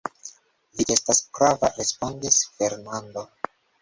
Vi estas prava, respondis Fernando!